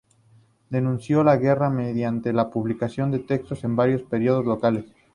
Denunció la guerra mediante la publicación de textos en varios periódicos locales.